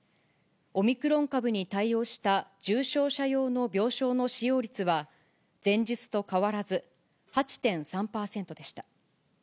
オミクロン株に対応した重症者用の病床の使用率は前日と変わらず、８．３％でした。